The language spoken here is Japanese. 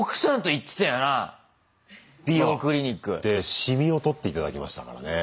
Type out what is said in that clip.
シミを取って頂きましたからね。